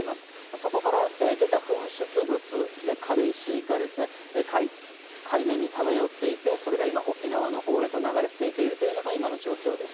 そこから出た噴出物で軽石がですね、海面に漂っていて、それが今、沖縄のほうへと流れ着いているというのが今の状況です。